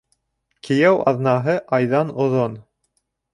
Кейәү аҙнаһы айҙан оҙон.